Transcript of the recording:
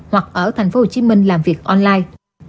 hoặc ở tp hcm làm việc online